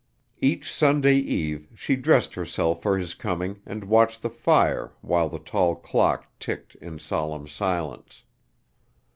Each Sunday eve she dressed herself for his coming and watched the fire while the tall clock ticked in solemn silence.